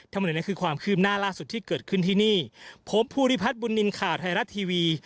ทั้งหมดนี้คือความคืบหน้าล่าสุดที่เกิดขึ้นที่นี่ผมภูริพัฒน์บุญนินทร์ข่าวไทยรัฐทีวี